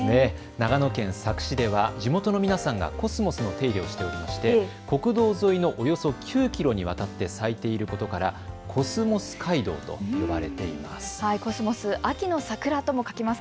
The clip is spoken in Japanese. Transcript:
長野県佐久市では地元の皆さんがコスモスの手入れをしていまして国道沿いのおよそ９キロにわたって咲いていることからコスモス街道と呼ばれています。